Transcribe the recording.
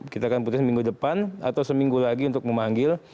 kita akan putus minggu depan atau seminggu lagi untuk memanggil